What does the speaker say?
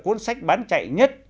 cuốn sách bán chạy nhất